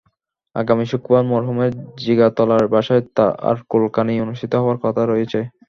আগামী শুক্রবার মরহুমের জিগাতলার বাসায় তাঁর কুলখানি অনুষ্ঠিত হওয়ার কথা রয়েছে।